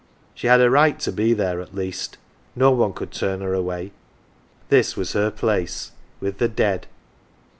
She had a right to be there at least no one could turn her away. This was her place with the dead.